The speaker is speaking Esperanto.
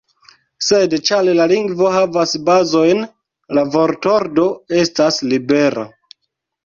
Sed, ĉar la lingvo havas kazojn, la vortordo estas libera.